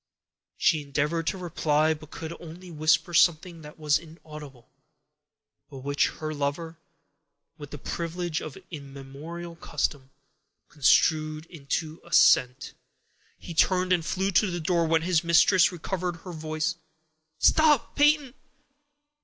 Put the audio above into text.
She endeavored to reply, but could only whisper something that was inaudible, but which her lover, with the privilege of immemorial custom, construed into assent. He turned and flew to the door, when his mistress recovered her voice:— "Stop, Peyton!